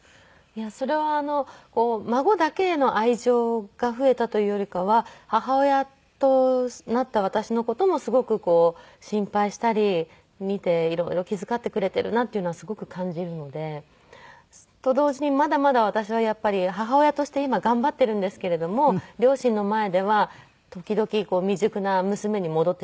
それは孫だけへの愛情が増えたというよりかは母親となった私の事もすごく心配したり見て色々気遣ってくれているなっていうのはすごく感じるので。と同時にまだまだ私はやっぱり母親として今頑張っているんですけれども両親の前では時々未熟な娘に戻ってしまう事があるので。